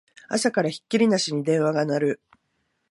朝からひっきりなしに電話が鳴る